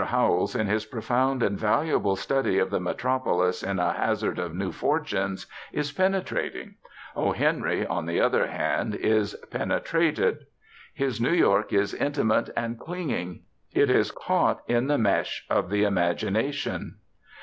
Howells, in his profound and valuable study of the metropolis in a "Hazard of New Fortunes," is penetrating; O. Henry, on the other hand, is penetrated. His New York is intimate and clinging; it is caught in the mesh of the imagination.